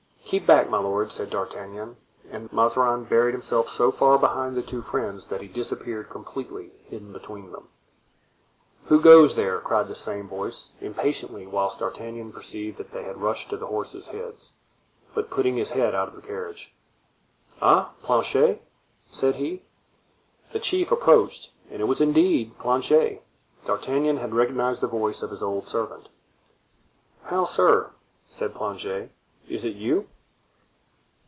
"Keep back, my lord," said D'Artagnan. And Mazarin buried himself so far behind the two friends that he disappeared, completely hidden between them. "Who goes there?" cried the same voice, impatiently whilst D'Artagnan perceived that they had rushed to the horses' heads. But putting his head out of the carriage: "Eh! Planchet," said he. The chief approached, and it was indeed Planchet; D'Artagnan had recognized the voice of his old servant. "How, sir!" said Planchet, "is it you?"